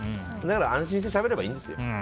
安心してしゃべればいいんですよ。